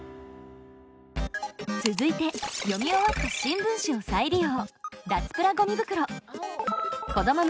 続いて読み終わった新聞紙を再利用。